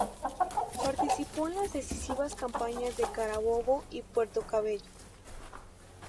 Participó en las decisivas campañas de Carabobo y Puerto Cabello.